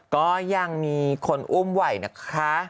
ก็ยังมีคนอุ้มไหวนะคะ